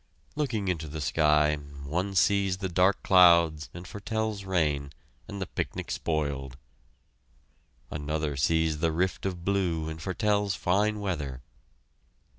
Looking into the sky one sees the dark clouds and foretells rain, and the picnic spoiled; another sees the rift of blue and foretells fine weather.